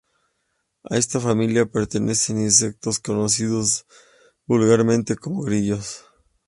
A esta familia pertenecen insectos conocidos vulgarmente como grillos.